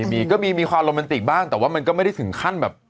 มีก็มีความโรแมนติกบ้างแต่ว่ามันก็ไม่ได้ถึงขั้นแบบ